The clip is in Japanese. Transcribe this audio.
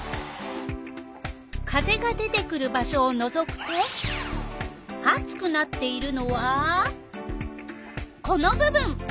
風が出てくる場所をのぞくとあつくなっているのはこの部分。